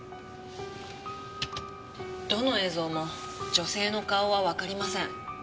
どの映像も女性の顔はわかりません。